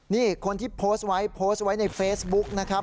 นี่คนที่โพสต์ไว้โพสต์ไว้ในเฟซบุ๊กนะครับ